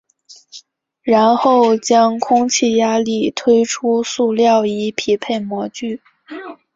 然后将空气压力推出塑料以匹配模具。